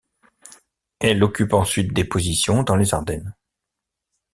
Elle occupe ensuite des positions dans les Ardennes.